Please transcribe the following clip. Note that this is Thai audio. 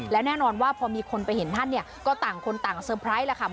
แล้วแน่นอนว่าพอมีคนไปเห็นท่านเนี่ยก็ต่างคนต่างเซอร์ไพรส์แล้วค่ะ